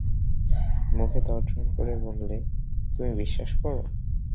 মুখে তর্জন করে বললে, তুমি বিশ্বাস কর?